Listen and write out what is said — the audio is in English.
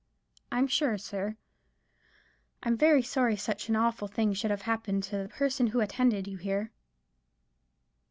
I'm sure, sir, I'm very sorry such an awful thing should have happened to the—the person who attended you here."